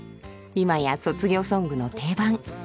今や卒業ソングの定番。